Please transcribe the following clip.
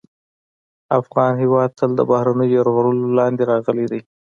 افغان هېواد تل د بهرنیو یرغلونو لاندې راغلی دی